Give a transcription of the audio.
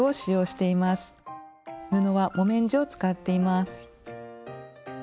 布は木綿地を使っています。